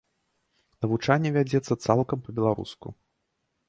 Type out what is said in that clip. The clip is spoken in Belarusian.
Навучанне вядзецца цалкам па-беларуску.